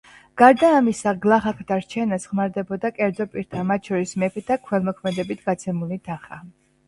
გარდა ამისა, გლახაკთა რჩენას ხმარდებოდა კერძო პირთა, მათ შორის მეფეთა, ქველმოქმედებით გაცემული თანხა.